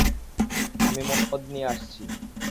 আমি মদ নিয়ে আসছি।